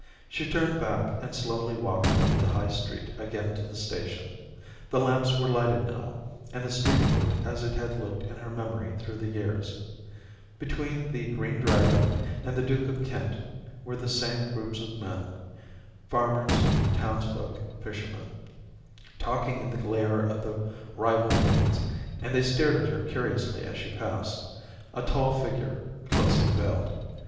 She turned back and slowly walked up the High Street again to the station. The lamps were lighted now, and the street looked as it had looked in her memory through the Daisy 277 • years ; between the * Green Dragon ' and the * Duke of Kent ' were the same groups of men — farmers, townsfolk, fishermen — talking in the glare of the rival inns, and they stared at her curiously as she passed, a tall figure, closely veiled.